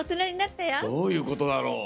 どういうことだろう？